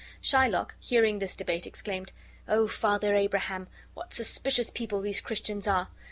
Shylock, hearing this debate, exclaimed: "O Father Abraham, what suspicious people these Christians are!